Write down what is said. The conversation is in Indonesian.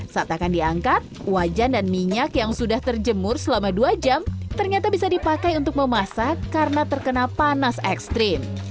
saat akan diangkat wajan dan minyak yang sudah terjemur selama dua jam ternyata bisa dipakai untuk memasak karena terkena panas ekstrim